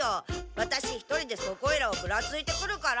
ワタシ一人でそこいらをぶらついてくるから。